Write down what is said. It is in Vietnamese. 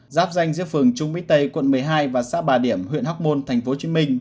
giáp danh giữa phường trung mỹ tây quận một mươi hai và xã bà điểm huyện hóc môn tp hcm